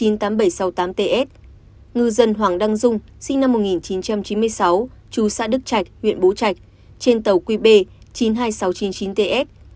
ngư dân hoàng đăng dung sinh năm một nghìn chín trăm chín mươi sáu chú xã đức trạch huyện bố trạch trên tàu qb chín mươi hai nghìn sáu trăm chín mươi chín ts